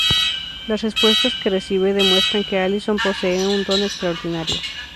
Las respuestas que recibe demuestran que Allison posee un don extraordinario.